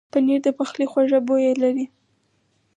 پنېر د پخلي خوږه بویه لري.